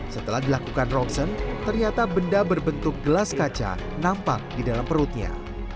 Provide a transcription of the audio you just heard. setelah dilakukan roksen ternyata benda berbentuk gelas kaca nampak di dalam perutnya